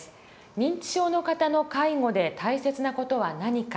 認知症の方の介護で大切な事は何か。